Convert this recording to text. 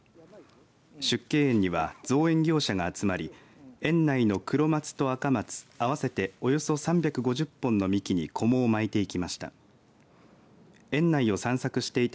縮景園には、造園業者が集まり園内のクロマツとアカマツ合わせておよそ３５０本の幹にこもを巻いていきました。